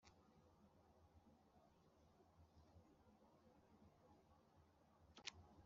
igihugu kugira ngo ntakirimbura ariko ntawe